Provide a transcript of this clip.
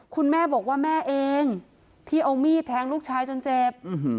คุณแม่บอกว่าแม่เองที่เอามีดแทงลูกชายจนเจ็บ